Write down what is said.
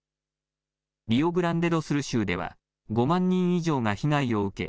リオグランデドスル州では５万人以上が被害を受け